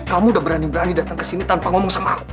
kamu udah berani berani datang ke sini tanpa ngomong sama aku